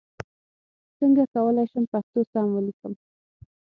څنګه کولای شم پښتو سم ولیکم ؟